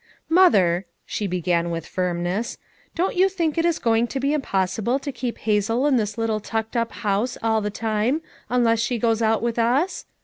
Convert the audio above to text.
"Mother," she began with firmness, "don't you think it is going* to be impossible to keep Hazel in this little tucked up house all the time, unless she goes out with us!